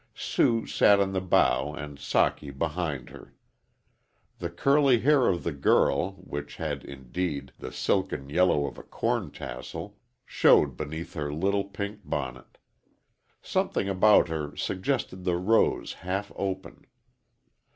Sue sat in the bow and Socky behind her. The curly hair of the girl, which had, indeed, the silken yellow of a corn tassel, showed beneath her little pink bonnet. Something about her suggested the rose half open.